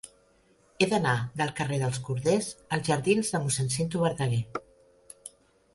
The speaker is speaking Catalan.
He d'anar del carrer dels Corders als jardins de Mossèn Cinto Verdaguer.